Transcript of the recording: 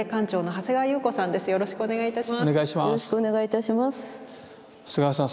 長谷川さん